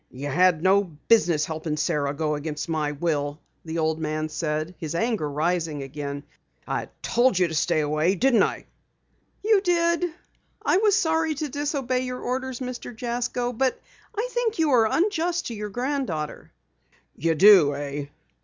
"You had no business helping Sara go against my will," the old man said, his anger rising again. "I told you to stay away, didn't I?" "You did. I was sorry to disobey your orders, Mr. Jasko, but I think you are unjust to your granddaughter." "You do, eh?"